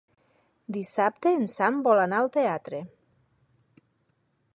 Dissabte en Sam vol anar al teatre.